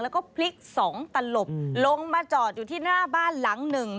แล้วก็พลิกสองตลบลงมาจอดอยู่ที่หน้าบ้านหลังหนึ่ง